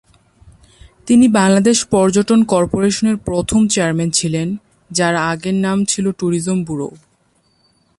তিনি বাংলাদেশ পর্যটন করপোরেশনের প্রথম চেয়ারম্যান ছিলেন, যার আগে নাম ছিল ট্যুরিজম ব্যুরো।